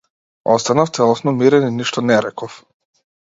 Останав целосно мирен и ништо не реков.